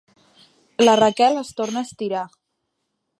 La Raquel es torna a estirar.